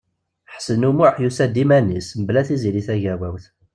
Ḥsen U Muḥ yusa-d iman-is, mebla Tiziri Tagawawt.